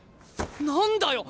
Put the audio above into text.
何だよ！